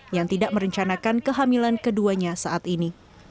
yang tidak merencanakan kehamilan keduanya saat ini